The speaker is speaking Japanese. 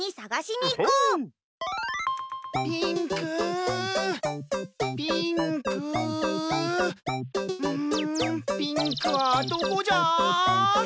んピンクはどこじゃ？